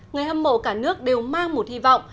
người hâm mộ cả nước đều mang một hy vọng